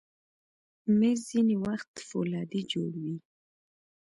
مېز ځینې وخت فولادي جوړ وي.